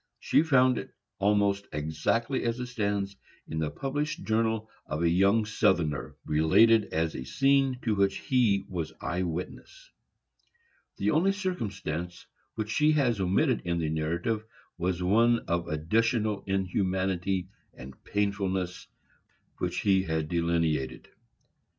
She found it, almost exactly as it stands, in the published journal of a young Southerner, related as a scene to which he was eye witness. The only circumstance which she has omitted in the narrative was one of additional inhumanity and painfulness which he had delineated.